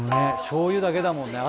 しょうゆだけだもんね